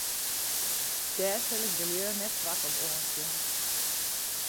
Dêr sil ik de lju net swart om oansjen.